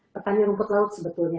pertanyaan rumput laut sebetulnya